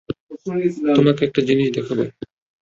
তোমাকে একটা জিনিস দেখাবো।